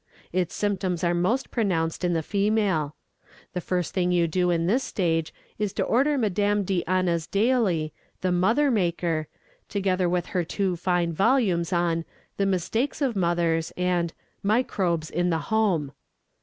Its symptoms are most pronounced in the female. The first thing you do in this stage is to order Madame di Ana's Daily, "The Mother Maker," together with her two fine volumes on "The Mistakes of Mothers," and "Microbes in the Home."